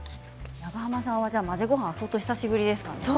長濱さんは混ぜごはんは久しぶりですか？